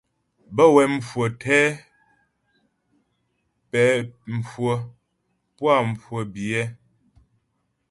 Bə́ wɛ mhwə̌ tɛ pɛ̌ mhwə̀ puá mhwə biyɛ.